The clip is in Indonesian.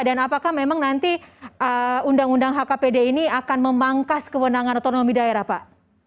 dan apakah memang nanti undang undang hkpd ini akan memangkas kewenangan otonomi daerah pak